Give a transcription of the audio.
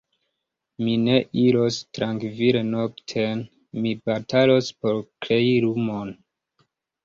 Mi ne iros trankvile nokten, mi batalos por krei lumon.